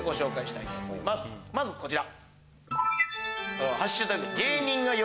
まずこちら。